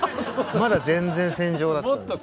まだ全然戦場だったんです。